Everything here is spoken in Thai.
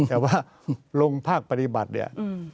แต่ว่าลงภาคปฏิบัติเนี่ย